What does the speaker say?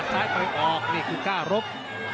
สายคอยออกนี่คู่ก้ารก